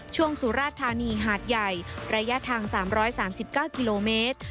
สุราธานีหาดใหญ่ระยะทาง๓๓๙กิโลเมตร